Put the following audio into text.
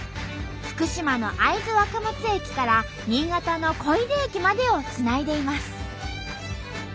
福島の会津若松駅から新潟の小出駅までをつないでいます。